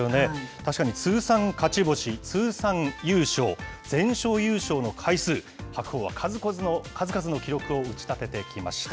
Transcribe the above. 確かに通算勝ち星、通算優勝、全勝優勝の回数、白鵬は数々の記録を打ち立ててきました。